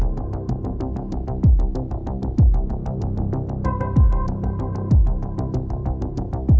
หรืออย่างกว่าสน่าจะเป็นลูกเรียนหวังว่ายังไง